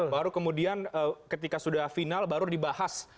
baru kemudian ketika sudah final baru dibahas